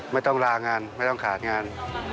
ไม่ต้องลางานไม่ต้องขาดงาน